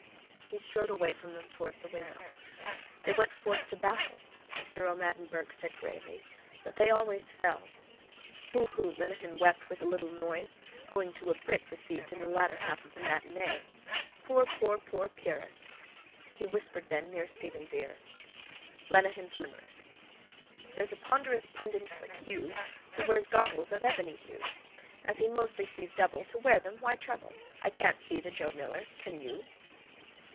He strode away from them towards the window. —They went forth to battle, Mr O'Madden Burke said greyly, but they always fell. —Boohoo! Lenehan wept with a little noise. Owing to a brick received in the latter half of the matinée. Poor, poor, poor Pyrrhus! He whispered then near Stephen's ear: LENEHAN'S LIMERICK —_There's a ponderous pundit MacHugh Who wears goggles of ebony hue. As he mostly sees double To wear them why trouble? I can't see the Joe Miller. Can you?